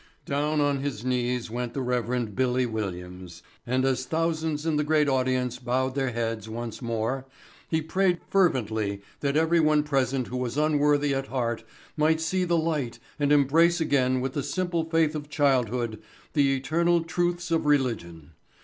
Down on his knees went the Rev. "Billy" Williams and as thousands in the great audience bowed their heads once more he prayed fervently that everyone present who was unworthy at heart might see the light and embrace again with the simple faith of childhood the eternal truths of religion.